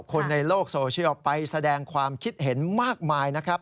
คนในโลกโซเชียลไปแสดงความคิดเห็นมากมายนะครับ